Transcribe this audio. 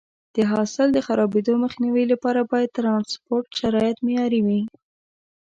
د حاصل د خرابېدو مخنیوي لپاره باید د ټرانسپورټ شرایط معیاري وي.